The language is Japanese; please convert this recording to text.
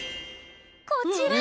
こちら！